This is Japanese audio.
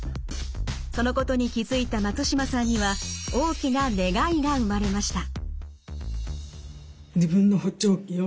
そのことに気付いた松島さんには大きな願いが生まれました。